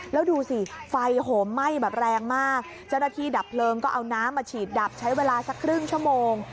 แล้วดูสิไฟโหมไหม้แบบแรงมากเจ้าหน้าที่ดับเพลิงก็เอาน้ำมาฉีดดับใช้เวลาสักครึ่งชั่วโมง